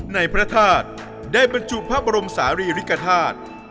พระธาตุได้บรรจุพระบรมศาลีริกฐาตุ